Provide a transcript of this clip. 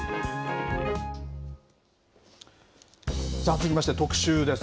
続きまして、特集です。